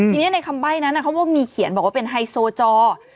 ทีนี้ในคำใบ้นั้นเขาก็มีเขียนบอกว่าเป็นไฮโซจอ